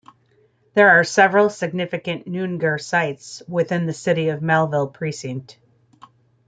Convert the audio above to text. There are several significant Noongar sites within the City of Melville precinct.